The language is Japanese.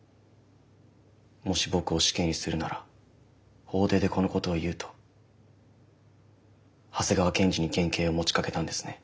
もし僕を死刑にするなら法廷でこのことを言うと長谷川検事に減刑を持ちかけたんですね？